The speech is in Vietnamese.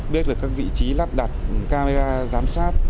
biết về các vị trí lắp đặt camera giám sát